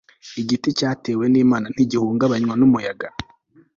igiti cyatewe n'imana ntigihungabanywa n'umuyaga